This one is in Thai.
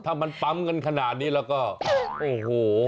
ถ้ามันปั๊มกันขนาดนี้แล้วก็โอ้โห